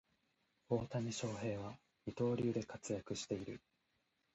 大谷翔平は二刀流で活躍している